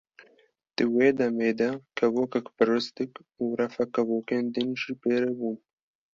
Di wê demê de kevokek biristik û refek kevokên din jî pê re bûn.